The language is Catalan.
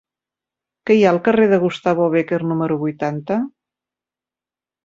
Què hi ha al carrer de Gustavo Bécquer número vuitanta?